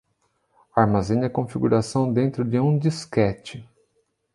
Armazene a configuração dentro de um disquete.